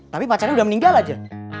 tapi pacarnya udah meninggal aja